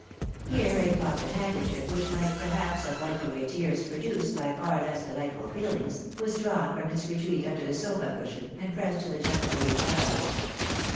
Here a pocket handkerchief, which might, perhaps, have wiped away tears produced by far less delightful feehngs, was drawn from its retreat under the sofa cushion, and pressed to the gentle lady's eyes.